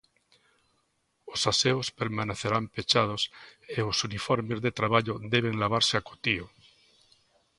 Os aseos permanecerán pechados e os uniformes de traballo deben lavarse acotío.